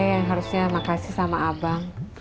yang harusnya makasih sama abang